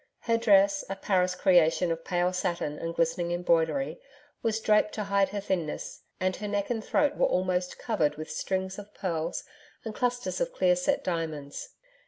Her dress, a Paris creation of pale satin and glistening embroidery, was draped to hide her thinness, and her neck and throat were almost covered with strings of pearls and clusters of clear set diamonds.